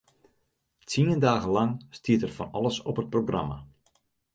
Tsien dagen lang stiet der fan alles op it programma.